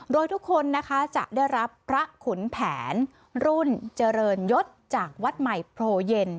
โดยทุกคนนะคะจะได้รับพระขุนแผนรุ่นเจริญยศจากวัดใหม่โพเย็น